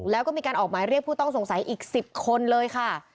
แล้วก็มีการออกหมายเรียกผู้ต้องสงสัยอีก๑๐คนเลยค่ะ